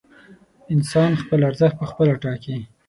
انسان خپل ارزښت پخپله ټاکي.